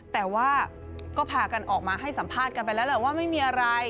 แต่ว่าก็พากันออกมาให้สัมภาษณ์กันไปแล้วแหละว่าไม่มีอะไร